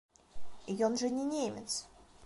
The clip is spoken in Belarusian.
Ён жа не немец!